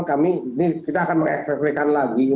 kita akan mengeksekulikan lagi